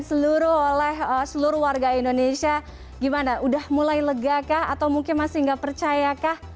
seluruh oleh seluruh warga indonesia gimana udah mulai lega kah atau mungkin masih nggak percaya kah